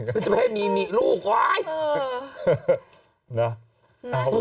ไม่จะให้มีนี่ลูกไว้